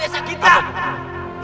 ini emak namanya